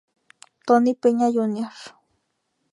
Tony Peña, Jr.